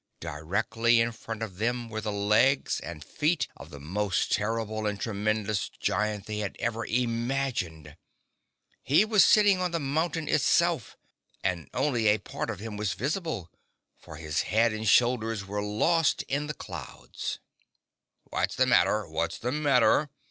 Directly in front of them were the legs and feet of the most terrible and tremendous giant they had ever imagined. He was sitting on the mountain itself and only a part of him was visible, for his head and shoulders were lost in the clouds. [Illustration: Kabumpo gave an ear splitting trumpet] "What's the matter? What's the matter?"